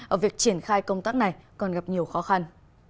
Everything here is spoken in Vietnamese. ở việc triển khai công tác này còn gặp nhiều khó khăn